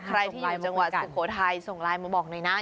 ใครที่อยู่จังหวัดสุโขทัยส่งไลน์มาบอกหน่อยนะ